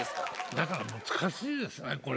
だから難しいですねこれ。